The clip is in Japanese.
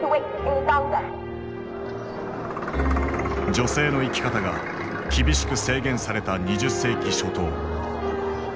女性の生き方が厳しく制限された２０世紀初頭。